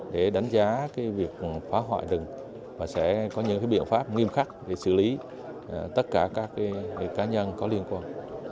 để đánh giá việc phá hoại rừng và sẽ có những biện pháp nghiêm khắc để xử lý tất cả các cá nhân có liên quan